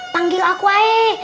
panggil aku aja